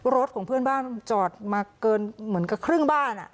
รถของเพื่อนบ้านจอดมาเกินเหมือนกับครึ่งบ้าน